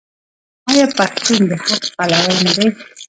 آیا پښتون د حق پلوی نه دی؟